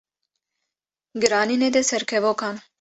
Giranî nede ser kevokan